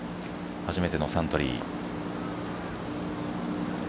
初めてのサントリー。